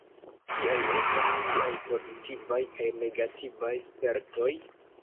Kiaj estas viaj pozitivaj kaj negativaj spertoj?